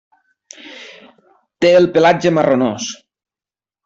Té el pelatge marronós.